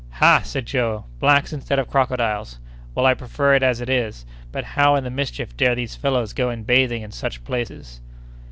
"Ha!" said Joe, "blacks instead of crocodiles! Well, I prefer it as it is; but how in the mischief dare these fellows go in bathing in such places?"